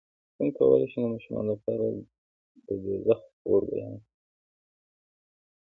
څنګه کولی شم د ماشومانو لپاره د دوزخ اور بیان کړم